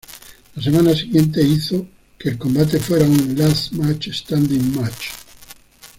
La semana siguiente, hizo que el combate fuera un "Last Match Standing match".